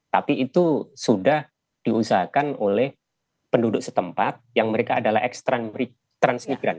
tapi itu sudah diusahakan oleh penduduk setempat yang mereka adalah transmigran